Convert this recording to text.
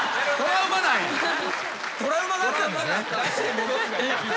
トラウマなんや。